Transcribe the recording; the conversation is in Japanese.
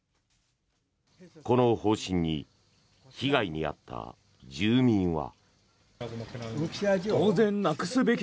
この方針に被害に遭った住民は。